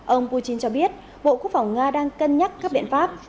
ông putin cho biết bộ quốc phòng nga đang cân nhắc các biện pháp